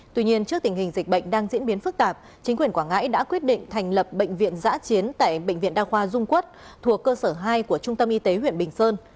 tuy nhiên trước tình hình dịch bệnh đang diễn biến phức tạp chính quyền quảng ngãi đã quyết định thành lập bệnh viện giã chiến tại bệnh viện đa khoa dung quốc thuộc cơ sở hai của trung tâm y tế huyện bình sơn